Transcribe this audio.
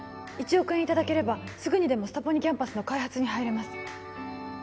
１億円いただければすぐにでもスタポニキャンパスの開発に入れます